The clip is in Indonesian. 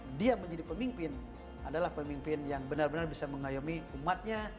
sehingga di saat dia menjadi pemimpin adalah pemimpin yang benar benar bisa mengayomi umatnya